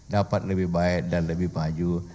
dapat lebih baik dan lebih maju